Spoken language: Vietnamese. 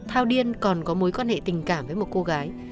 thao điên còn có mối quan hệ tình cảm với một cô gái